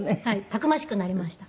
たくましくなりました。